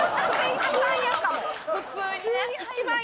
一番嫌かもそれ。